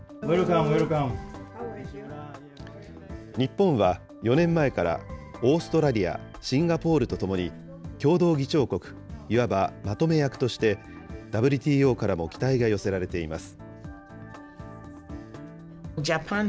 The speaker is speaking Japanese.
日本は４年前からオーストラリア、シンガポールと共に共同議長国、いわばまとめ役として、ＷＴＯからも期待が寄せられています。